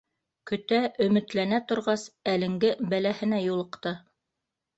Көтә, өмөтләнә торғас, әлеңге бәләһенә юлыҡты.